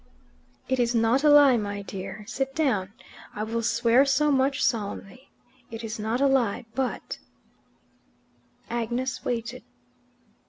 "It is not a lie, my clear; sit down. I will swear so much solemnly. It is not a lie, but " Agnes waited.